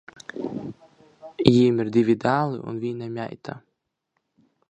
Viņiem ir divi dēli un viena meita.